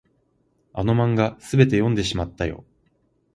あの漫画、すべて読んでしまったよ。